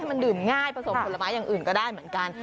มันดื่มง่ายผสมผลไม้อย่างอื่นก็ได้เหมือนกัน